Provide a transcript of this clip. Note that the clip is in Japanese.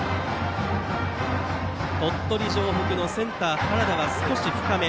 鳥取城北のセンター原田は少し深め。